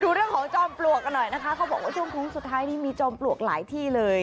ดูเรื่องของจอมปลวกกันหน่อยนะคะเขาบอกว่าช่วงโค้งสุดท้ายนี่มีจอมปลวกหลายที่เลย